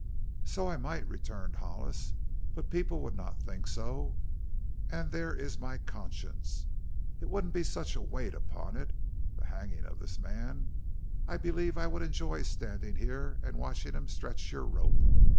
"So I might," returned Hollis. "But people would not think so. And there is my conscience. It wouldn't be such a weight upon it the hanging of this man; I believe I would enjoy standing here and watching him stretch your rope.